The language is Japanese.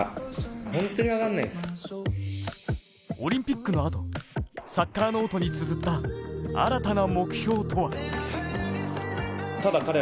オリンピックのあと、サッカーノートにつづった新たな目標とは。